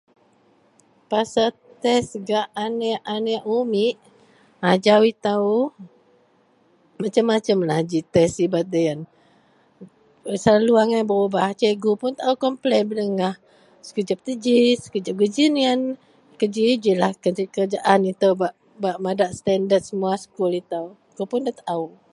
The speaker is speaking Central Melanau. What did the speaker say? pasel test gak aneak-aneak umik ajau itou, macam-macamlah ji test sibet deloyien, selalu agai berubah, cikgu pun taau komplen pedegah, sekejep tou ji sekejep ji ien, ku ji-jilah kerajaan itou bak-bak madak standard semua skul itou, akou pun da taau